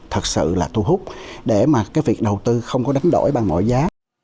thật sự là thu hút để mà cái việc đầu tư không có đánh đổi bằng mọi giá